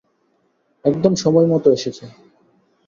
একদম সময় মতো এসেছো।